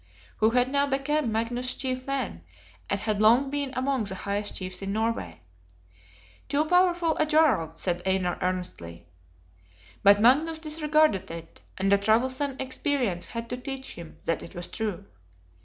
who had now become Magnus's chief man, and had long been among the highest chiefs in Norway; "too powerful a Jarl," said Einar earnestly. But Magnus disregarded it; and a troublesome experience had to teach him that it was true.